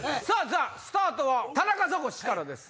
スタートは田中ザコシからです